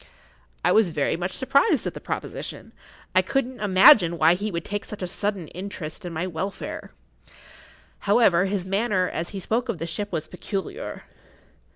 I was very much surprised at the proposition. I could not imagine why he should take such a sudden interest in my welfare. However, his manner as he spoke of the ship was peculiar.